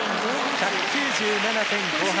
１９７．５８。